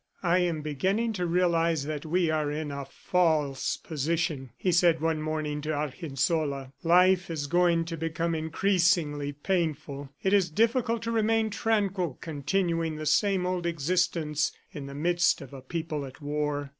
"I am beginning to realize that we are in a false position," he said one morning to Argensola. "Life is going to become increasingly painful. It is difficult to remain tranquil, continuing the same old existence in the midst of a people at war."